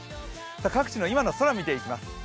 各地の今の空見ていきます。